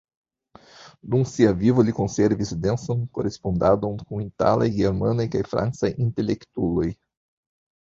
Dum sia vivo li konservis densan korespondadon kun italaj, germanaj kaj francaj intelektuloj.